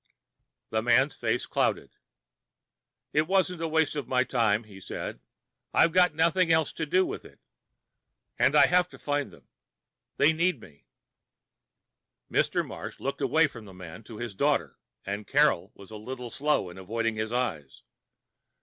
The man's face clouded. "It isn't a waste of my time," he said. "I've got nothing else to do with it. And I have to find them. They need me." Mr. Marsh looked away from the man to his daughter, and Carol was a little slow in avoiding his eyes.